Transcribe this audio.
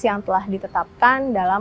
yang telah ditetapkan dalam